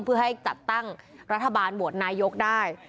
เพื่อให้จัดตั้งรัฐบาลโหวตนายกได้